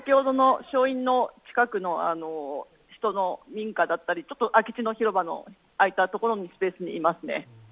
先ほどの正院の近くの、民家だったり、空き地の広場の空いたところのスペースにいますね。